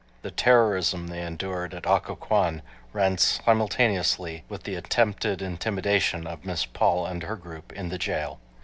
The terrorism they endured at Occoquan ran simultaneously with the attempted intimidation of Miss Paul and her group in the jail.